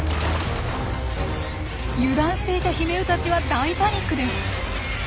油断していたヒメウたちは大パニックです！